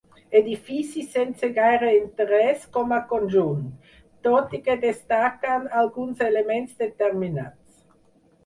Edifici sense gaire interès com a conjunt, tot i que destaquen alguns elements determinats.